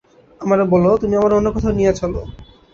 আমারে বলে, তুমি আমারে অন্য কোথাও নিয়া চল।